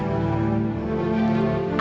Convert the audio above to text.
untuk mengaku sekarang